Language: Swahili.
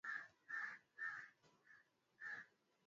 tuondowe utawala huu na kuweka utawala mwenyine wa wananchi